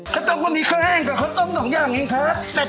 ข้าวต้มก็มีข้าวแห้งกับข้าวต้ม๒อย่างเองครับ